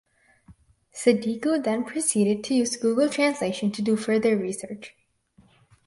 Sadiku then proceeded to use Google translation to do further research.